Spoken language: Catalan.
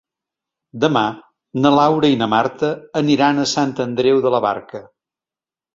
Demà na Laura i na Marta aniran a Sant Andreu de la Barca.